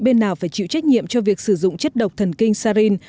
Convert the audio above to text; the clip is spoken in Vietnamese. bên nào phải chịu trách nhiệm cho việc sử dụng chất độc thần kinh sarin